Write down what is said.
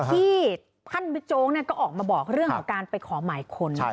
ที่ท่านบิ๊กโจ๊กก็ออกมาบอกเรื่องของการไปขอหมายคน